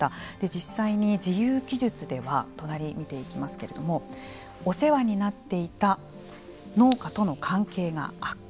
実際に自由記述では隣、見ていきますけれどもお世話になっていた農家との関係が悪化。